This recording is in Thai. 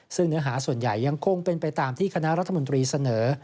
ซึ่งเนื้อหาส่วนใหญ่ยังคงเป็นไปตามที่คณะรัฐมนตรีเสนอ